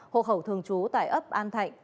hộ khẩu thường trú tại ấp an thạnh